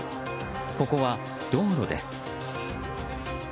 ここは道路です。